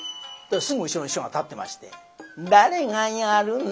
すぐ後ろに師匠が立ってまして「誰がやるんだよ？」。